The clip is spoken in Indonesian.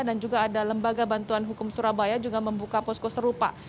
dan juga ada lembaga bantuan hukum surabaya juga membuka posko serupa